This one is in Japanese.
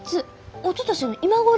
おととしの今頃！